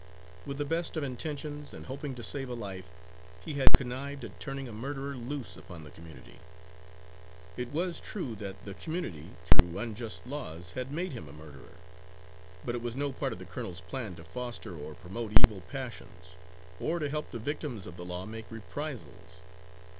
With the best of intentions, and hoping to save a life, he had connived at turning a murderer loose upon the community. It was true that the community, through unjust laws, had made him a murderer, but it was no part of the colonel's plan to foster or promote evil passions, or to help the victims of the law to make reprisals.